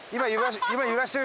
今。